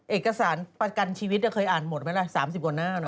เอกสารประกันชีวิตเคยอ่านหมดไหมล่ะ๓๐กว่าหน้าเน